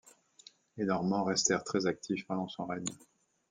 Les Normands restèrent très actifs pendant son règne.